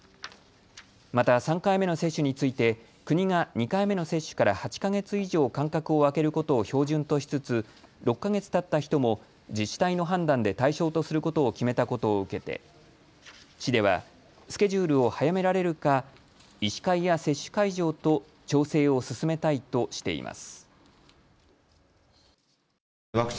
また３回目の接種について国が２回目の接種から８か月以上間隔を空けることを標準としつつ６か月たった人も自治体の判断で対象とすることを決めたことを受けて市ではスケジュールを早められるか医師会や接種会場と調整を進めたいとしています。